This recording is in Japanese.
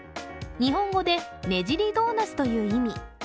日本語で、ねじりドーナツという意味。